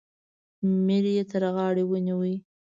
میر یې تر غاړه ونیوی.